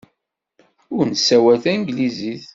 Ur nessawal tanglizit.